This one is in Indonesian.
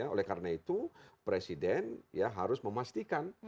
oleh karena itu presiden ya harus memastikan